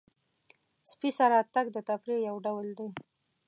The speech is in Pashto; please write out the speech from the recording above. سپي سره تګ د تفریح یو ډول دی.